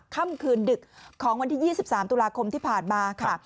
ค่ำคืนดึกของวันที่๒๓ตุลาคมที่ผ่านมาค่ะ